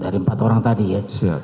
dari empat orang tadi ya